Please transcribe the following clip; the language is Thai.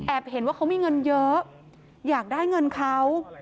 เห็นว่าเขามีเงินเยอะอยากได้เงินเขา